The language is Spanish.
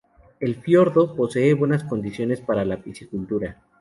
El fiordo posee buenas condiciones para la piscicultura.